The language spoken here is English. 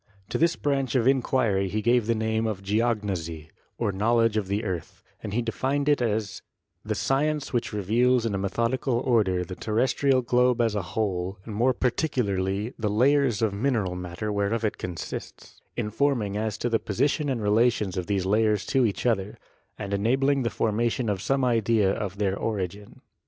To this branch of inquiry he gave the name of geognosy, or knowledge of the earth, and he defined it as the science which reveals in a methodical order the terrestrial globe as a whole and more particularly the layers of mineral matter whereof it consists, informing as to the position and relations of these layers to each other, and enabling the formation of some idea of their origin.